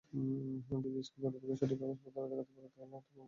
যদি স্কুল কর্তৃপক্ষ সঠিক কাগজপত্র দেখাতে পারে তাহলে আমরা জায়গা ছেড়ে দেব।